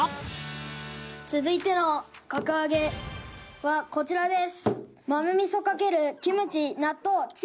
続いての格上げはこちらです。